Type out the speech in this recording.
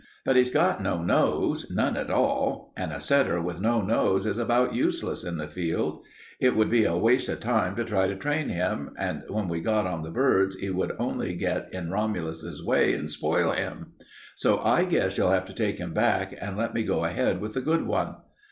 But he's got no nose, none at all, and a setter with no nose is about useless in the field. It would be a waste of time to try to train him, and when we got on the birds he would only get in Romulus's way and spoil him. So I guess you'll have to take him back and let me go ahead with the good one."